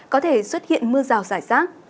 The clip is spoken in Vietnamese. có thể xuất hiện mưa rào rải rác